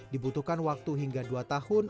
dibutuhkan waktu hingga dua tahun